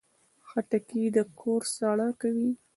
خټکی د کور سړه کوي.